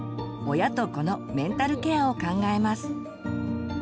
親と子のメンタルケアを考えます。